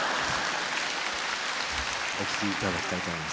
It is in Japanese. お聴きいただきたいと思います。